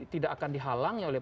tidak akan dihalang oleh